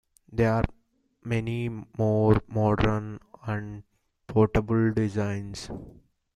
There are many more modern and portable designs.